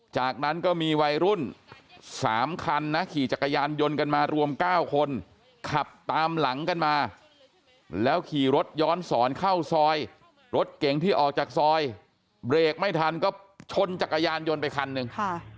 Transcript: จากนั้นก็มีวัยรุ่น๓คันนะขี่จักรยานยนต์กันมารวม๙คนขับตามหลังกันมาแล้วขี่รถย้อนสอนเข้าซอยรถเก๋งที่ออกจากซอยเบรกไม่ทันก็ชนจักรยานยนต์ไปคันหนึ่ง